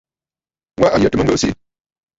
Wâ à yə̀tə̂ mə ŋgɨʼɨ siʼi.